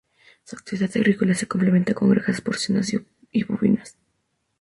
Su actividad agrícola se complementa con granjas porcinas y bovinas.